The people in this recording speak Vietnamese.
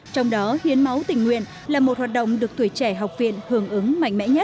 trong đó hiến máu tình nguyện là một hoạt động được tuổi trẻ học viện hưởng ứng mạnh mẽ nhất